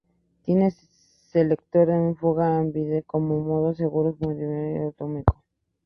Tiene selector de fuego ambidiestro con modo seguro, semiautomático y automático.